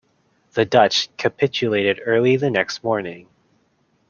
The Dutch capitulated early the next morning.